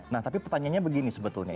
nah tapi pertanyaannya begini sebetulnya